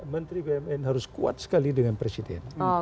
menteri bumn harus kuat sekali dengan presiden